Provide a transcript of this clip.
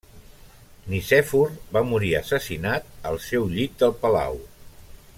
Nicèfor va morir assassinat al seu llit del palau.